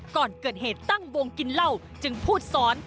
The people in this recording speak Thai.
ก่อนเกิดเหตุตั้งวงกินเหล้าจึงพูดสอน